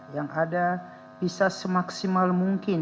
yang ada bisa semaksimal mungkin